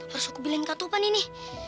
harus aku bilang katupan ini